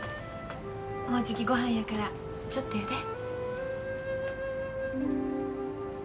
もうじきごはんやからちょっとやで。